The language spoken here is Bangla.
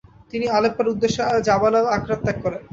তিনি আলেপ্পোর উদ্দেশ্যে জাবাল আল-আকরাদ ত্যাগ করেন।